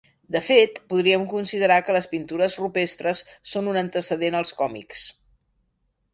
De fet podríem considerar que les pintures rupestres són un antecedent als còmics.